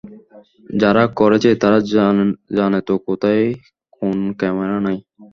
যারা করেছে তারা জানেতো কোথায় কোন ক্যামেরা নেই।